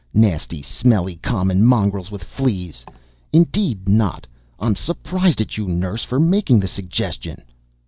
Nasty smelly common mongrels with fleas. Indeed not. I'm surprised at you, nurse, for making the suggestion."